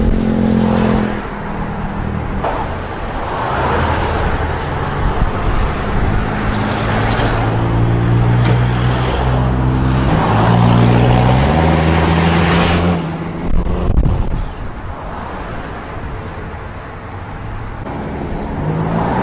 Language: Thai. กลัวช่วยไปหาผู้บินกับผู้ต่อไป